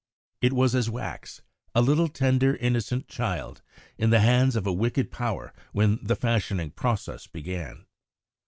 It was as wax a little, tender, innocent child in the hands of a wicked power when the fashioning process began.